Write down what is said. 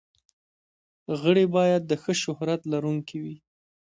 غړي باید د ښه شهرت لرونکي وي.